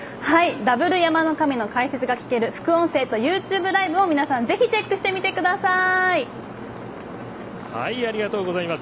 ダブル山の神の解説が聞ける副音声とＹｏｕＴｕｂｅライブを皆さんぜひチェックしてみてください！